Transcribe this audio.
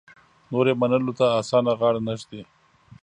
نور یې منلو ته اسانه غاړه نه ږدي.